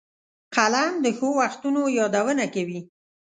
قلم د ښو وختونو یادونه کوي